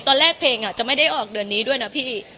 ตอนแรกเพลงจะไม่ได้ออกเดือนนี้ด้วยนะพี่